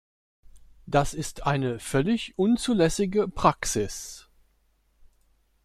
Das ist eine völlig unzulässige Praxis.